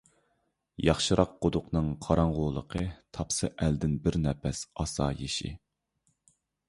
ياخشىراق قۇدۇقنىڭ قاراڭغۇلۇقى، تاپسا ئەلدىن بىر نەپەس ئاسايىشى.